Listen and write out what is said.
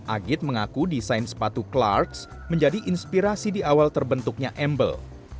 agit mengaku desain sepatu clarks menjadi inspirasi di awal terbentuknya embel